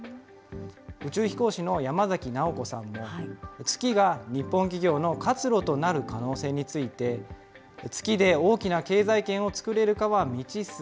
宇宙飛行士の山崎直子さんも月が日本企業の活路となる可能性について、月で大きな経済圏を作れるかは未知数。